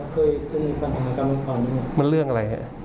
เคยมีปัญหากันมาก่อนมันเรื่องอะไร